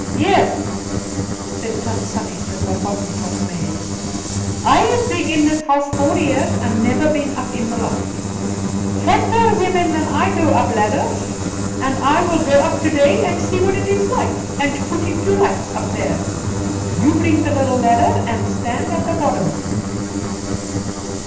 "Here," said Tant Sannie to her Hottentot maid, "I have been in this house four years, and never been up in the loft. Fatter women than I go up ladders; I will go up today and see what it is like, and put it to rights up there. You bring the little ladder and stand at the bottom."